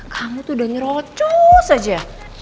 kamu tuh udah nyerocos aja